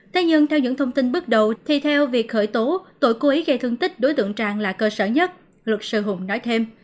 thế nhưng theo những thông tin bước đầu thì theo việc khởi tố tội cố ý gây thương tích đối tượng trang là cơ sở nhất luật sư hùng nói thêm